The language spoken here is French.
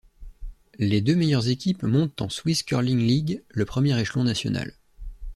Les deux meilleures équipes montent en SwissCurling League, le premier échelon national.